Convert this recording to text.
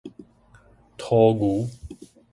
塗牛